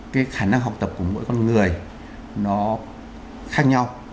cái khả năng học tập của mỗi con người nó khác nhau